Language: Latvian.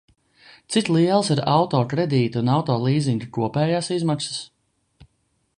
Cik lielas ir auto kredīta un auto līzinga kopējās izmaksas?